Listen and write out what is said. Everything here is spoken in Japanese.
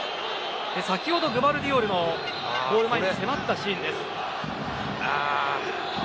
先ほどグヴァルディオルがゴール前に迫ったシーン。